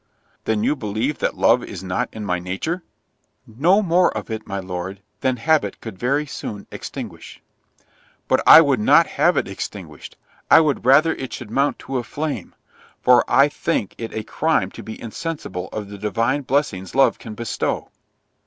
"Then you believe that love is not in my nature?" "No more of it, my Lord, than habit could very soon extinguish." "But I would not have it extinguished—I would rather it should mount to a flame, for I think it a crime to be insensible of the divine blessings love can bestow."